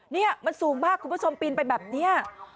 นี่มันสูงมากคุณผู้ชมปีนไปแบบนี้